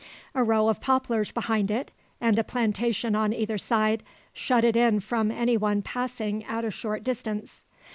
A row of poplars behind it, and a plantation on either side, shut it in from any one passing at a short distance.